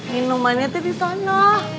minumannya tuh di sana